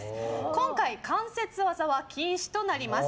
今回、関節技は禁止となります。